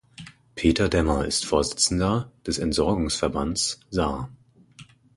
Peter Demmer ist Vorsitzender des Entsorgungsverbands Saar.